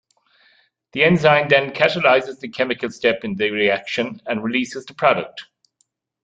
The enzyme then catalyzes the chemical step in the reaction and releases the product.